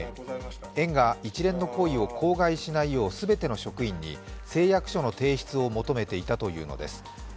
園が一連の行為を口外しないよう全ての職員に誓約書の提出を求めていたというのです。